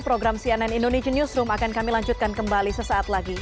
program cnn indonesian newsroom akan kami lanjutkan kembali sesaat lagi